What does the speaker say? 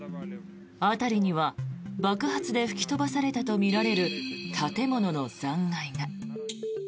辺りには爆発で吹き飛ばされたとみられる建物の残骸が。